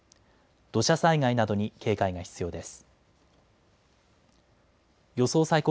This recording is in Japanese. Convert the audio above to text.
土砂災害などに警戒が必要です。